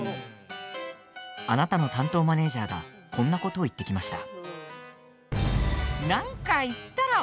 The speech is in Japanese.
あなたの担当マネージャーがこんなことを言ってきました。